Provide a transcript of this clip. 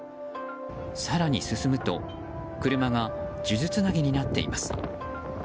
更に進むと車が数珠つなぎになっています。